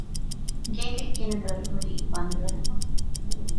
ގޭގެ ގިނަ ދޮރު ހުރީ ބަންދުވެފަ